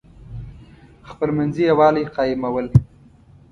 خپلمنځي یوالی قایمول.